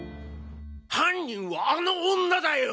犯人はあの女だよ！